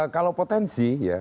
kalau potensi ya